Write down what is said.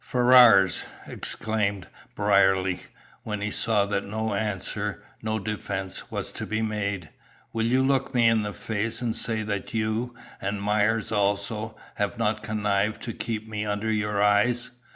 "Ferrars," exclaimed Brierly, when he saw that no answer, no defence, was to be made, "will you look me in the face and say that you, and Myers also, have not connived to keep me under your eyes?